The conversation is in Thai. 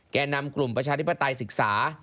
แก่นำกลุ่มประชาธิปไตยศึกษา